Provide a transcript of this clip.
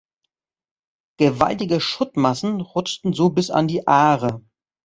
Gewaltige Schuttmassen rutschten so bis an die Aare.